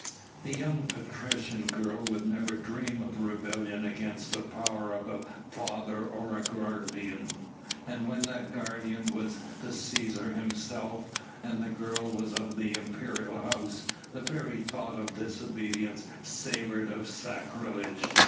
A young patrician girl would never dream of rebellion against the power of a father or a guardian, and when that guardian was the Cæsar himself and the girl was of the imperial house, the very thought of disobedience savoured of sacrilege.